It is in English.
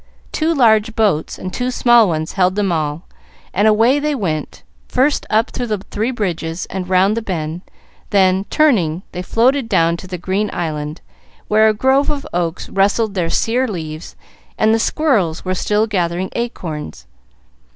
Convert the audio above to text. Two large boats and two small ones held them all, and away they went, first up through the three bridges and round the bend, then, turning, they floated down to the green island, where a grove of oaks rustled their sere leaves and the squirrels were still gathering acorns.